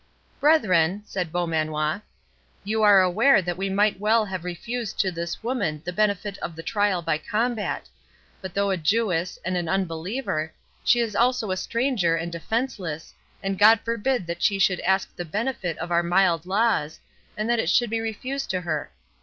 "Brethren," said Beaumanoir, "you are aware that we might well have refused to this woman the benefit of the trial by combat—but though a Jewess and an unbeliever, she is also a stranger and defenceless, and God forbid that she should ask the benefit of our mild laws, and that it should be refused to her.